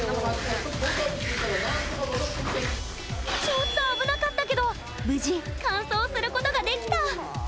ちょっと危なかったけど無事完走することができた！